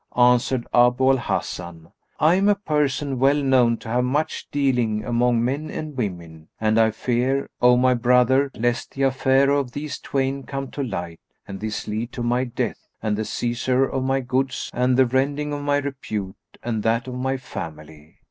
Answered Abu al Hasan, "I am a person well known to have much dealing among men and women, and I fear, O my brother, lest the affair of these twain come to light and this lead to my death and the seizure of my goods and the rending of my repute and that of my family.